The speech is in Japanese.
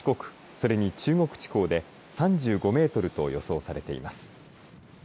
それに中国地方で３５メートルと予想されています。